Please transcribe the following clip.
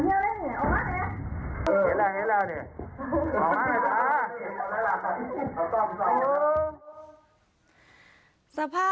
ช่วยน้องไอช่วยเรา